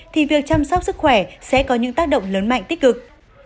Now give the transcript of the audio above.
thì việc chăm sóc sức khỏe sẽ có những tác động lớn mạnh tích cực